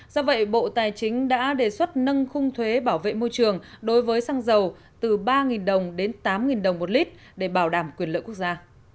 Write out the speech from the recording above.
do vậy bộ tài chính đã đề xuất nâng khung thuế bảo vệ môi trường đối với xăng dầu từ ba đồng đến tám đồng một lít để bảo đảm quyền lợi quốc gia